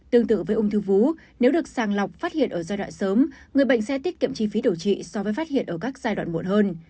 tương tự với ung thư vú nếu được sàng lọc phát hiện ở giai đoạn sớm người bệnh sẽ tiết kiệm chi phí điều trị so với phát hiện ở các giai đoạn muộn hơn